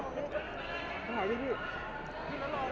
ขอบคุณครับ